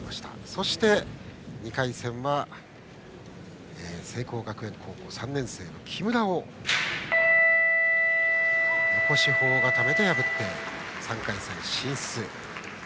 そして、２回戦は生光学園高校３年生の木村を横四方固めで破って３回戦進出。